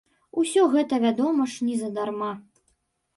Усё гэта, вядома ж, незадарма.